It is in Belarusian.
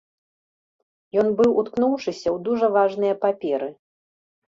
Ён быў уткнуўшыся ў дужа важныя паперы.